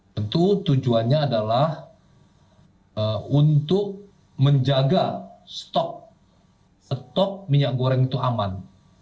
tentu tujuannya adalah untuk menjaga stok minyak goreng itu aman